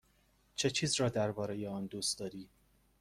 چه چیز را درباره آن دوست داری؟